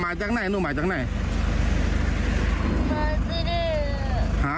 อ๋อมาจังหน่อยนู่มาจังหน่อยหา